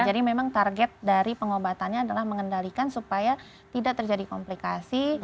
jadi memang target dari pengobatannya adalah mengendalikan supaya tidak terjadi komplikasi